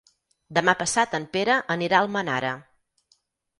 Demà passat en Pere anirà a Almenara.